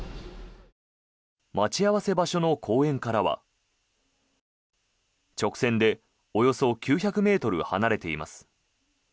待ち合わせ場所の公園からは直線でおよそ９００ｍ離れています。